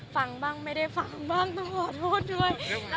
ฟังบ้างไม่ได้ฟังบ้างต้องขอโทษด้วย